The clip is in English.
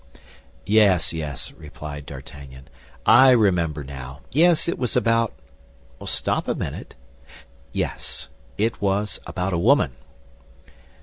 "Yes, yes," replied D'Artagnan. "I remember now; yes, it was about—stop a minute—yes, it was about a woman."